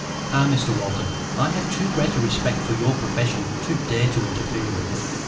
"Ah, Mr Walton, I have too great a respect for your profession to dare to interfere with it.